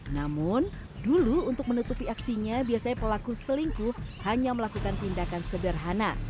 namun dulu untuk menutupi aksinya biasanya pelaku selingkuh hanya melakukan tindakan sederhana